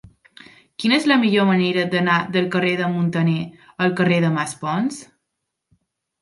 Quina és la millor manera d'anar del carrer de Muntaner al carrer de Maspons?